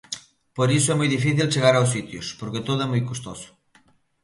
Por iso é moi difícil chegar aos sitios, porque todo é moi custoso.